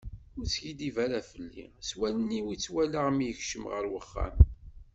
Ur skiddib ara felli, s wallen-iw i t-walaɣ mi yekcem ɣer uxxam.